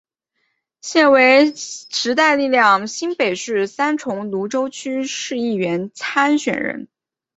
现为时代力量新北市三重芦洲区市议员参选人。